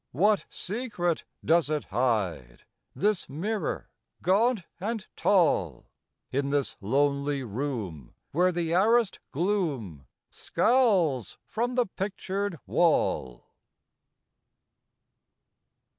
What secret does it hide, This mirror, gaunt and tall, In this lonely room, where th' arrased gloom Scowls from the pictured wall?